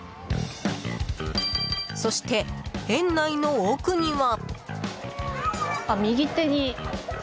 そして園内の奥には。